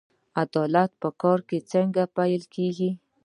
عدالت په کار کې څنګه پلی کیږي؟